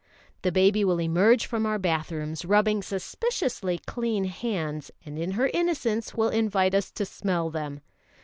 The baby will emerge from our bathrooms rubbing suspiciously clean hands, and in her innocence will invite us to smell them.